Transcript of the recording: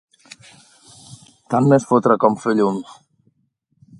Tant m'és fotre com fer llum.